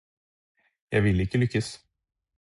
Jeg vil ikke lykkes